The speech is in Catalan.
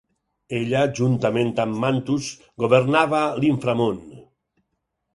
Ella, juntament amb Mantus, governava l'inframón.